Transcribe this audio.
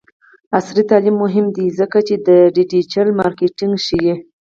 عصري تعلیم مهم دی ځکه چې د ډیجیټل مارکیټینګ ښيي.